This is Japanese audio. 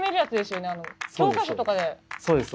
教科書とかで。